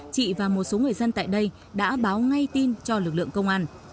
chị và một số người dân tại đây đã báo ngay tin cho lực lượng công an